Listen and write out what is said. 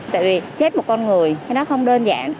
tại vì chết một con người cái đó không đơn giản